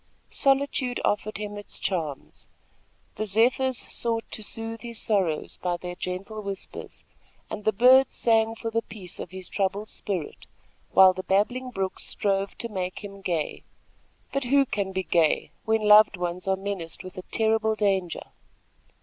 Solitude offered him its charms. The zephyrs sought to soothe his sorrows by their gentle whispers, and the birds sang for the peace of his troubled spirit, while the babbling brooks strove to make him gay; but who can be gay when loved ones are menaced with a terrible danger?